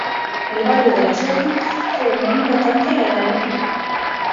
El barrio de la Serna fue muy importante en la Edad Media.